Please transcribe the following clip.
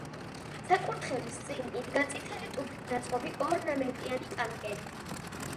საკურთხევლის წინ იდგა წითელი ტუფით ნაწყობი ორნამენტიანი კანკელი.